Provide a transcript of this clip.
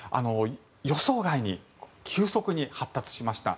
予想外に急速に発達しました。